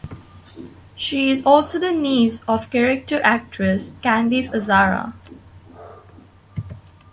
She is also the niece of character actress Candice Azzara.